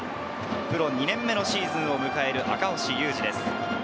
プロ２年目のシーズンを迎える赤星優志です。